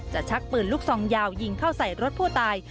ชักปืนลูกซองยาวยิงเข้าใส่รถผู้ตาย